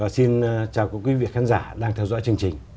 xin chào quý vị khán giả đang theo dõi chương trình